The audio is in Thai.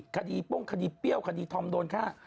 ป้งคดีเปรี้ยวคดีธอมโดนฆ่า